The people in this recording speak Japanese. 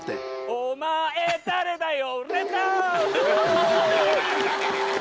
お前誰だよ？